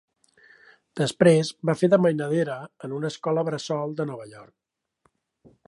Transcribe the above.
Després va fer de mainadera en una escola bressol de Nova York.